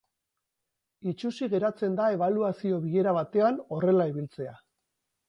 Itsusi geratzen da ebaluazio bilera batean horrela ibiltzea.